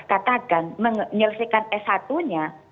katakan menyelesaikan s satu nya